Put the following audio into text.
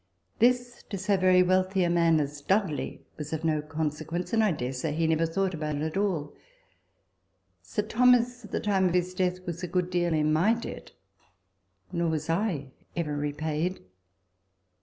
This to so very wealthy a man as Dudley was of no consequence ; and I dare say he never thought about it at all. Sir Thomas at the time of his death was a good deal in my debt ; nor was I ever repaid.